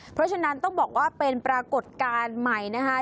เพราะฉะนั้นต้องบอกว่าเป็นปรากฏการณ์ใหม่นะคะ